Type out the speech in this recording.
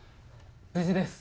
無事です！